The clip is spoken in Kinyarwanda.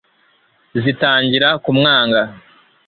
zitangira kumwanga